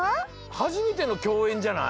はじめてのきょうえんじゃない？